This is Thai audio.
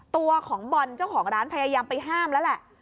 ตัวของบอลเจ้าของร้านพยายามไปห้ามแล้วแหละ